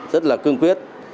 rất là cương quyết